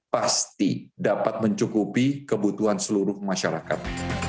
pasti dapat mencukupi kebutuhan seluruh masyarakat